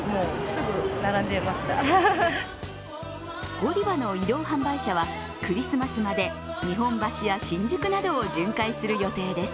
ゴディバの移動販売車はクリスマスまで日本橋や新宿などを巡回する予定です。